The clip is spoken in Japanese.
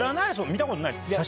見たことない？